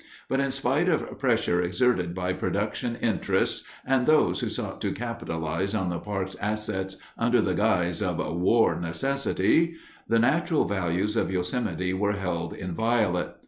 But in spite of pressure exerted by production interests and those who sought to capitalize on the park's assets under the guise of "war necessity," the natural values of Yosemite were held inviolate.